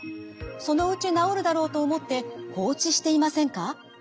そのうち治るだろうと思って放置していませんか？